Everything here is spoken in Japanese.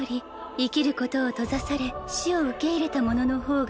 生きることを閉ざされ死を受け入れた者の方が